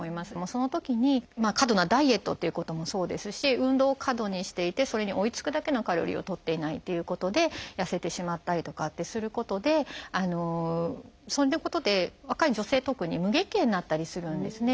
そのときに過度なダイエットっていうこともそうですし運動を過度にしていてそれに追いつくだけのカロリーをとっていないということで痩せてしまったりとかってすることでそういうことで若い女性特に無月経になったりするんですね。